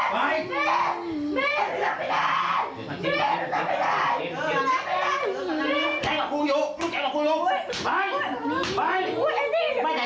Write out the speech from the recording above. ไม่ใส่โซ่บ้านคุณไม่ต้องกลัว